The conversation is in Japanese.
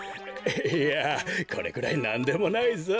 いやこれくらいなんでもないぞ。